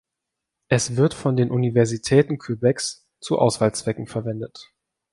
Es wird von den Universitäten Quebecs zu Auswahlzwecken verwendet.